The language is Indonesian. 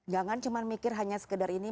jangan cuma mikir hanya sekedar ini